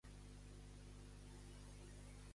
Com respondran davant d'un governament de Rajoy?